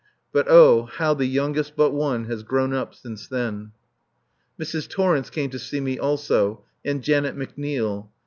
But oh, how the youngest but one has grown up since then! Mrs. Torrence came to see me also, and Janet McNeil.